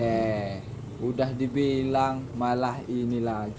eh udah dibilang malah ini lagi